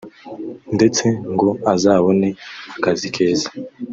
ndetse ngo azanabone akazi keza